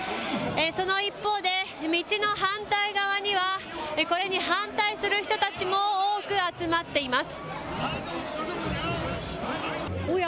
その一方で、道の反対側にはこれに反対する人たちも多く集まっています。